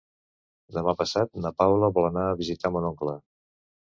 Demà passat na Paula vol anar a visitar mon oncle.